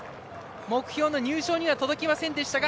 目標の入賞には届きませんでしたが